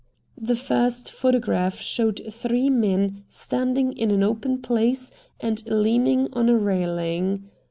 The first photograph showed three men standing in an open place and leaning on a railing.